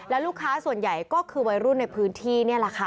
แล้วลูกค้าส่วนใหญ่ก็คือวัยรุ่นในพื้นที่นี่แหละค่ะ